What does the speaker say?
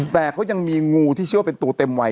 แต่เขายังมีงูที่เชื่อว่าเป็นตัวเต็มวัย